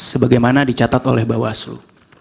sebagaimana dicatat oleh bawaslu